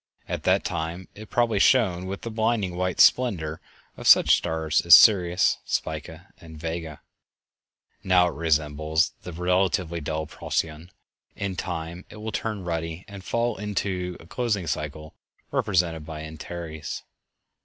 At that time it probably shone with the blinding white splendor of such stars as Sirius, Spica, and Vega; now it resembles the relatively dull Procyon; in time it will turn ruddy and fall into the closing cycle represented by Antares.